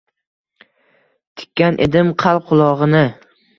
Tikkan edim qalb qulog’ini